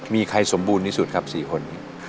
มีใครสมบูรณ์ที่สุดครับ๔คน